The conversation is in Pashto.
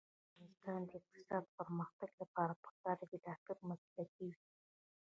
د افغانستان د اقتصادي پرمختګ لپاره پکار ده چې ډاکټر مسلکي وي.